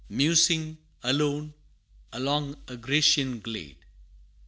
Musing, alone, along a Grecian glade.